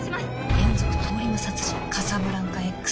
連続通り魔殺人、カサブランカＸ。